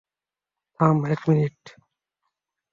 থাম এক মিনিট!